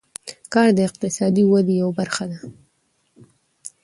کار د اقتصادي تولید یوه برخه ده.